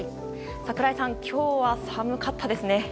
櫻井さん、今日は寒かったですね。